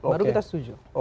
baru kita setuju